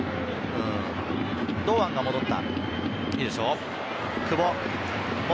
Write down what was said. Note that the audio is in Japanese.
堂安が戻った。